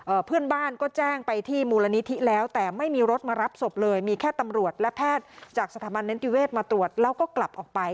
เพื่อนบ้านก็แจ้งไปที่มูลนิธิแล้วแต่ไม่มีรถมารับศพเลยมีแค่ตำรวจและแพทย์จากสถาบันนิติเวศมาตรวจแล้วก็กลับออกไป